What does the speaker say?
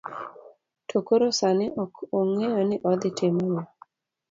To koro sani, ok ong'eyo ni odhi timo ang'o.